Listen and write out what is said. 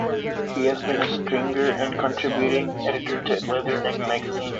He has been a stringer and contributing editor to Leatherneck Magazine.